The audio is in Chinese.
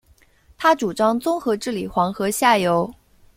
他主张综合治理黄河下游。